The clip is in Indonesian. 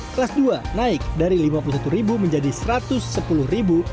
kelas dua naik dari rp lima puluh satu menjadi rp satu ratus sepuluh